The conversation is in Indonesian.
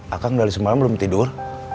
akang dari semalam belum tidur